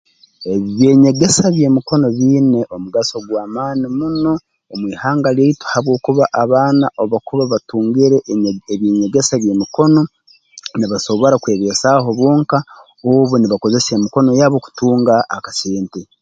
Eby'enyegesa by'emikono biine omugaso ogw'amaani muno omu ihanga lyaitu habwokuba abaana obu bakuba batungire eby ebyenyegesa by'emikono nibasobora kwebeesaaho bonka obu nibakozesa emikono yabo kutunga akasente